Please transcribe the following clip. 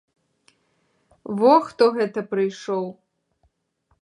Во хто гэта прыйшоў!